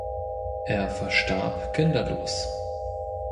Er verstarb kinderlos.